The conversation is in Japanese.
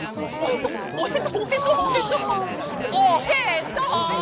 おへそ！